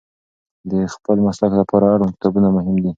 د خپل مسلک لپاره اړوند کتابونه مهم دي.